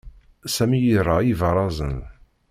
Sami ira ibarazen.